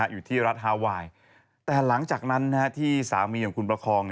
อยู่ที่รัฐฮาไวน์แต่หลังจากนั้นที่สามีของคุณประคอง